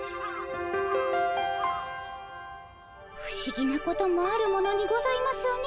ふしぎなこともあるものにございますね。